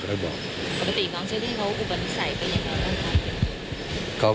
อุปนิสัยเป็นเดิมเดิม